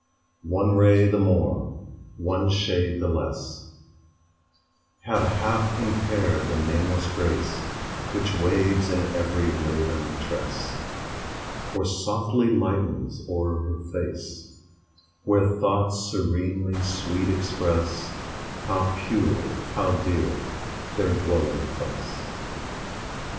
One ray the more, one shade the less Had half impaired the nameless grace Which waves in every raven tress Or softly lightens o'er her face, Where thoughts serenely sweet express How pure, how dear their dwelling place.